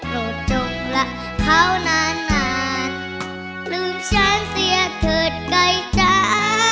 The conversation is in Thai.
โหลดจงละเขานานนานลืมฉันเสียเถิดไกลจ้า